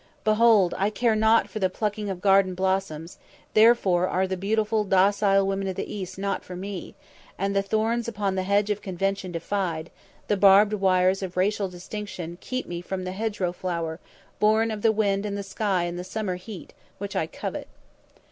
"Behold, I care not for the plucking of garden blossoms, therefore are the beautiful, docile women of the East not for me, and the thorns upon the hedge of convention defied, the barbed wires of racial distinction keep me from the hedgerow flower, born of the wind and the sky and the summer heat, which I covet.